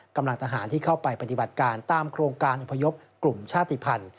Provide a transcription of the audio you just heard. กำลังทหารที่เข้าไปปฏิบัติการตามโครงการอพยพกลุ่มชาติภัณฑ์